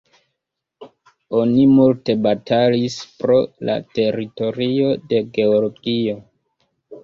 Oni multe batalis pro la teritorio de Georgio.